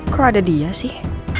kok ada dia sih